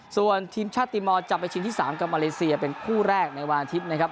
ส่วนทีมชาติตีมอลจะไปชิงที่๓กับมาเลเซียเป็นคู่แรกในวันอาทิตย์นะครับ